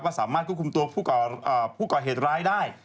สามารถควบคุมตัวผู้ก่อเหตุร้ายได้